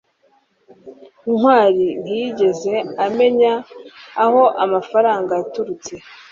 ntwali ntiyigeze amenya aho amafaranga yaturutse